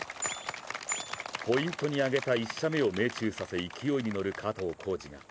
ポイントにあげた１射目を命中させ勢いに乗る加藤浩次。